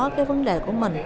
những vấn đề của mình